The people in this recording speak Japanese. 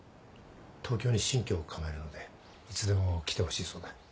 東京に新居を構えるのでいつでも来てほしいそうだ。